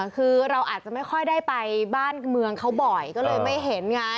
คือเราอาจจะไม่ค่อยได้ไปบ้านเมืองเขาบ่อยก็เลยไม่เห็นไง